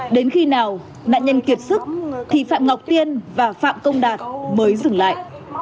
đến khi nào nạn nhân kiệt sức thì phạm ngọc tiên và phạm công đạt mới dừng lại